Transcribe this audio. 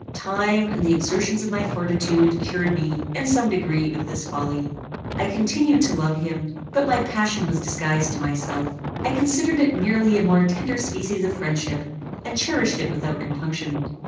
Time, and the exertions of my fortitude, cured me, in some degree, of this folly. I continued to love him, but my passion was disguised to myself; I considered it merely as a more tender species of friendship, and cherished it without compunction.